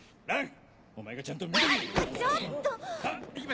お前がちゃんと見とけ！